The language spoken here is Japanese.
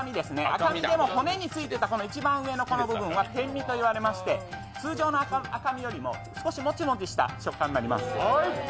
赤身でも骨についていた一番上の部分は、てんみといいまして、通常の赤身よりも少しモチモチした食感となります。